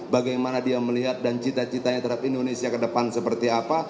bagaimana dia melihat dan cita citanya terhadap indonesia ke depan seperti apa